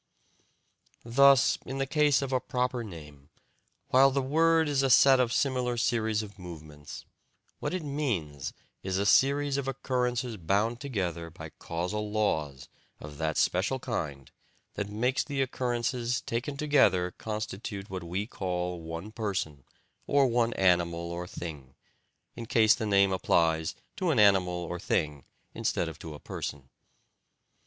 Thus in the case of a proper name, while the word is a set of similar series of movements, what it means is a series of occurrences bound together by causal laws of that special kind that makes the occurrences taken together constitute what we call one person, or one animal or thing, in case the name applies to an animal or thing instead of to a person.